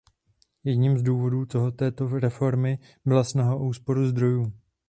Jedním z důvodů této reformy byla snaha o úsporu zdrojů.